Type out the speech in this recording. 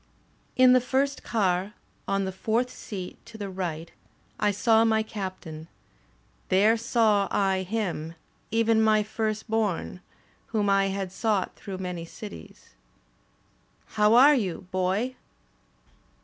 In the first car, on the fourth seat to the right, I saw my Captain; there saw I him, even my firstborn, whom I had sought through many cities. "*How are you. Boy?